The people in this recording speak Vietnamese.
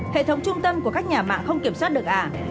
hệ thống trung tâm của các nhà mạng không kiểm soát được à